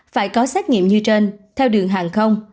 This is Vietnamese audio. phải có xét nghiệm như trên theo đường hàng không